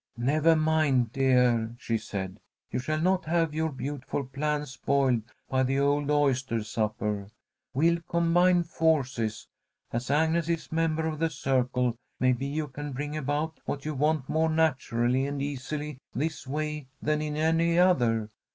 "Never mind, dear," she said. "You shall not have your beautiful plan spoiled by the old oyster supper. We'll combine forces. As Agnes is a member of the Circle, maybe you can bring about what you want more naturally and easily this way than in any other.